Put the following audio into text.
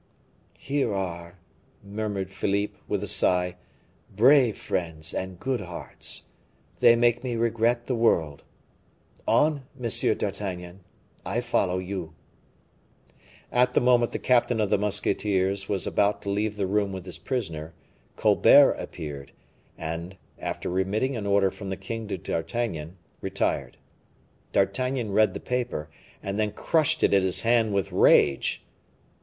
"Here are," murmured Philippe, with a sigh, "brave friends and good hearts. They make me regret the world. On, M. d'Artagnan, I follow you." At the moment the captain of the musketeers was about to leave the room with his prisoner, Colbert appeared, and, after remitting an order from the king to D'Artagnan, retired. D'Artagnan read the paper, and then crushed it in his hand with rage.